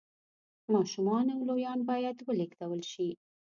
ماشومان او لویان باید ولېږدول شي